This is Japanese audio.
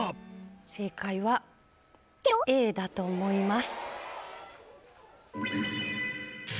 正解はＡだと思います